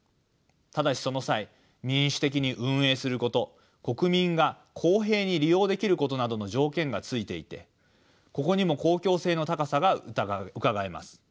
ただしその際「民主的に運営すること」「国民が公平に利用できること」などの条件がついていてここにも公共性の高さがうかがえます。